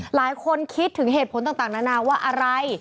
หลายคนคิดถึงเหตุผลต่างนานาว่าอะไร